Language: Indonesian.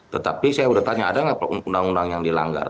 tetapi saya sudah tanya ada nggak undang undang yang dilanggar